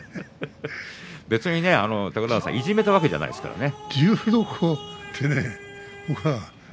別に高田川さんいじめたわけではないですよね。